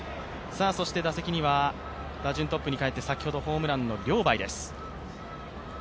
打席には打順トップに帰って、先ほどホームランのリョウ・バイです。